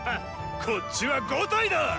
こっちは５体だ！